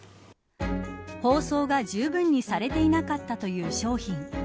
包装がじゅうぶんにされていなかったという商品。